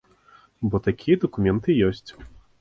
Бо такія дакументы ёсць.